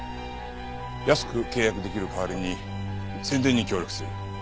安く契約できる代わりに宣伝に協力する。